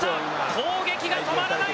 攻撃が止まらない。